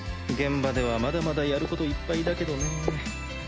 現場ではまだまだやることいっぱいだけどねぇ。